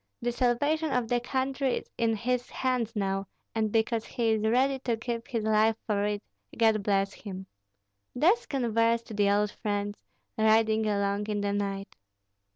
"The salvation of the country is in his hands now, and because he is ready to give his life for it, God bless him!" Thus conversed the old friends, riding along in the night.